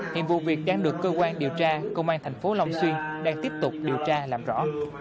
hiện vụ việc đang được cơ quan điều tra công an thành phố long xuyên đang tiếp tục điều tra làm rõ